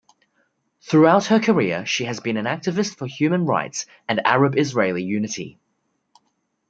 Throughout her career she has been an activist for human rights and Arab-Israeli unity.